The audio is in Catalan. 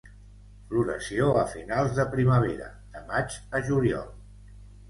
Floració a finals de primavera, de maig a juliol.